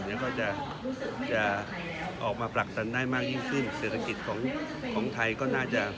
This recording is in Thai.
แล้วก็จะจะออกมาผลักดันได้มากยิ่งขึ้นเศรษฐกิจของของไทยก็น่าจะ